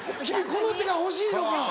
君この手が欲しいのか。